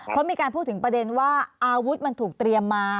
เพราะมีการพูดถึงประเด็นว่าอาวุธมันถูกเตรียมมา